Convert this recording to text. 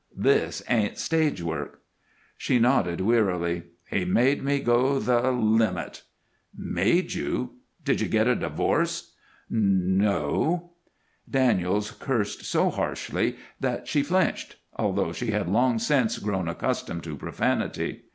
"This ain't stage work!" She nodded wearily. "He made me go the limit." "Made you! Did you get a divorce?" "N no!" Daniels cursed so harshly that she flinched, although she had long since grown accustomed to profanity.